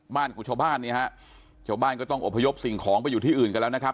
ของชาวบ้านเนี่ยฮะชาวบ้านก็ต้องอบพยพสิ่งของไปอยู่ที่อื่นกันแล้วนะครับ